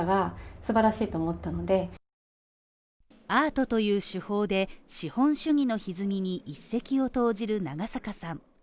そこまでして購入した理由はアートという手法で資本主義のひずみに一石を投じる長坂さん。